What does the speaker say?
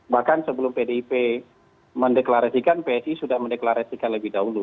bahkan sebelum pdip mendeklarasikan psi sudah mendeklarasikan lebih dahulu